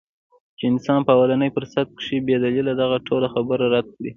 چې انسان پۀ اولني فرصت کښې بې دليله دغه ټوله خبره رد کړي -